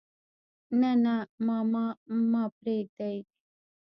نه نه ماما ما پرېده.